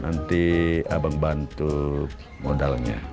nanti abang bantu modalnya